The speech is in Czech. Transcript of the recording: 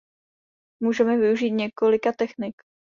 Můžeme využít několika technik.